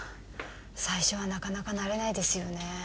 最初はなかなか慣れないですよね